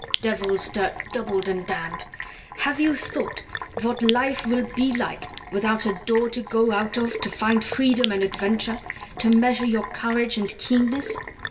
"Devil's dirt doubled and damned! Have you thought what life will be like without a Door to go out of to find freedom and adventure, to measure your courage and keenness?